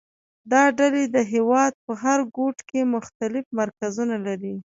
دا ډلې د هېواد په هر ګوټ کې مختلف مرکزونه لري